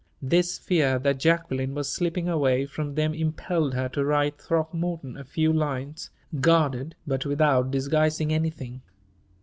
This fear that Jacqueline was slipping away from them impelled her to write Throckmorton a few lines guarded, but without disguising anything.